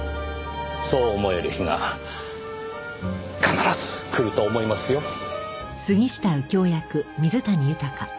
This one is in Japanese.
そう思える日が必ず来ると思いますよ。